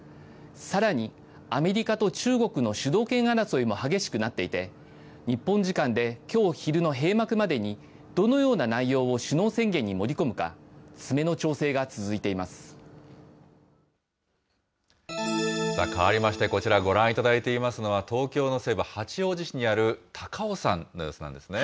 さらに、アメリカと中国の主導権争いも激しくなっていて、日本時間できょう昼の閉幕までにどのような内容を首脳宣言に盛り込むか、では、変わりましてこちら、ご覧いただいておりますのは、東京の西部、八王子市にある高尾山の様子なんですね。